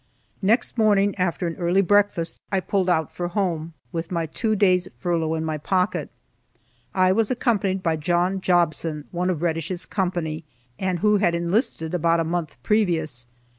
Next morning, after an early breakfast, I pulled out for home, with my two days furlough in my pocket. I was accompanied by John Jobson, one of Reddish's company, and who had enlisted about a month previous.